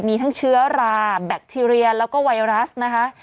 มีทั้งเชื้อราแบคทีเรียแล้วก็ไวรัสนะคะ